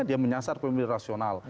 dia menyasar pemilih rasional